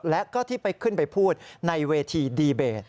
และก็ที่ไปขึ้นไปพูดในเวทีดีเบต